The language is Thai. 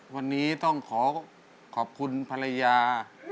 วันนี้ต้องขอขอบคุณภรรยา